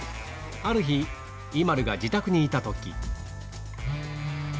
ある日、ＩＭＡＬＵが自宅にいたとき。